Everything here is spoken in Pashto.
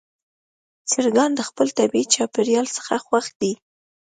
چرګان د خپل طبیعي چاپېریال څخه خوښ دي.